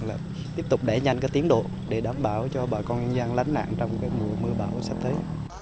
là tiếp tục đẩy nhanh cái tiến độ để đảm bảo cho bà con nhân dân lánh nạn trong cái mùa mưa bão sắp tới